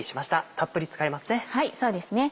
たっぷり使いますね。